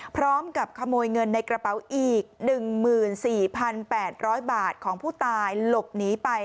พร้อมกับขโมยเงินในกระเป๋าอีก๑๔๘๐๐บาทของผู้ตายหลบหนีไป